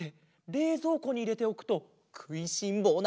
れいぞうこにいれておくとくいしんぼうな